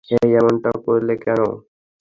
হেই, এমনটা করলে কেন?